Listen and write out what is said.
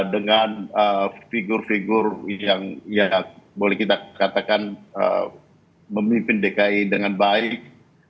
dengan figur figur yang ya boleh kita katakan memimpin dki dengan baik